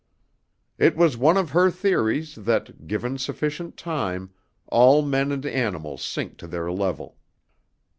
It was one of her theories that, given sufficient time, all men and animals sink to their level.